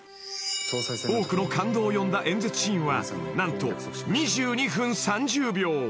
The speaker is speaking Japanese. ［多くの感動を呼んだ演説シーンは何と２２分３０秒］